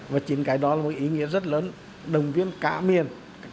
và chính cái đó là một ý nghĩa rất lớn đồng viên cả miền